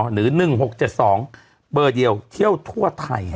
หรือ๑๖๗๒เบอร์เดียวเที่ยวทั่วไทย